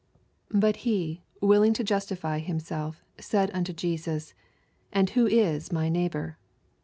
29 But he, willing to justify him lelf, said unto Jesus, And who is my neighbor